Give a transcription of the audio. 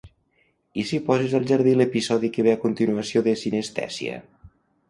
I si poses al jardí l'episodi que ve a continuació de "cinestèsia"?